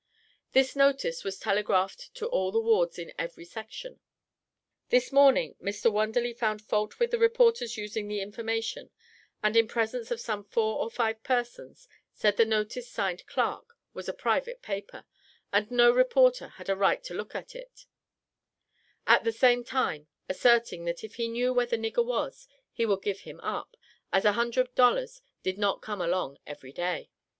This notice was telegraphed to all the wards in every section. This morning Mr. Wunderly found fault with the reporters using the information, and, in presence of some four or five persons, said the notice signed "Clarke," was a private paper, and no reporter had a right to look at it; at the same time asserting, that if he knew where the nigger was he would give him up, as $100 did not come along every day.